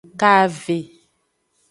Kave.